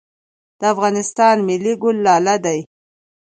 د افغانستان ملي ګل لاله دی